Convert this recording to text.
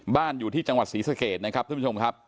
อยู่ที่จังหวัดศรีสเกตนะครับท่านผู้ชมครับ